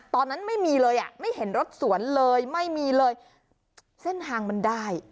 ตอนนั้นไม่มีเลยอ่ะไม่เห็นรถสวนเลยไม่มีเลยเส้นทางมันได้